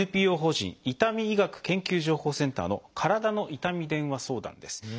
ＮＰＯ法人いたみ医学研究情報センターの「からだの痛み電話相談」です。